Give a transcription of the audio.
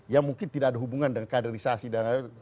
ya mungkin tidak ada hubungan dengan kaderisasi dan lain lain